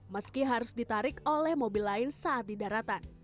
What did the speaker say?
meski harus ditarik oleh mobil lain saat di daratan